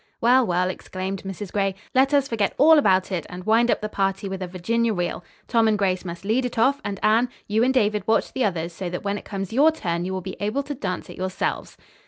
"Well, well," exclaimed Mrs. Gray, "let us forget all about it and wind up the party with a Virginia reel. Tom and Grace must lead it off, and Anne, you and David watch the others so that when it comes your turn you will be able to dance it yourselves."